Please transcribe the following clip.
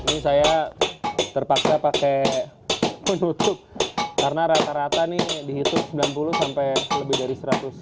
ini saya terpaksa pakai penutup karena rata rata nih dihitung sembilan puluh sampai lebih dari seratus